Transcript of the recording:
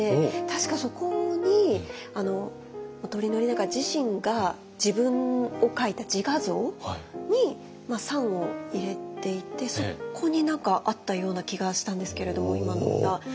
確かそこに本居宣長自身が自分を描いた自画像に賛を入れていてそこに何かあったような気がしたんですけれども今の歌。